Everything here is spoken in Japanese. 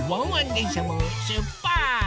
でんしゃもしゅっぱつ！